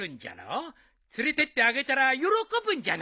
連れてってあげたら喜ぶんじゃないかの。